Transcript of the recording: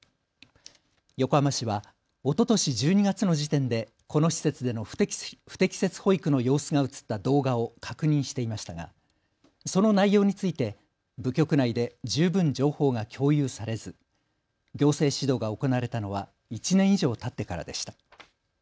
横浜市はおととし１２月の時点でこの施設での不適切保育の様子が写った動画を確認していましたがその内容について部局内で十分情報が共有されず行政指導が行われたのは１年以上たってからでした。